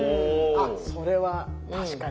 あっそれは確かに。